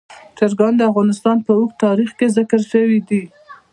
چرګان د افغانستان په اوږده تاریخ کې ذکر شوی دی.